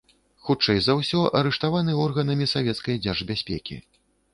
Хутчэй за ўсё, арыштаваны органамі савецкай дзяржбяспекі.